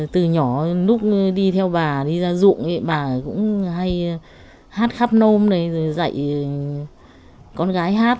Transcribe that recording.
từ nhỏ lúc đi theo bà ra dụng bà cũng hay hát khắp nôm dạy con gái hát